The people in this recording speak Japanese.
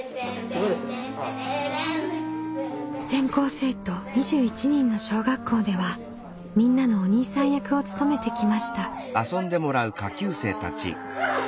全校生徒２１人の小学校ではみんなのお兄さん役を務めてきました。